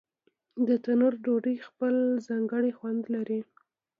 د تنور ډوډۍ خپل ځانګړی خوند لري.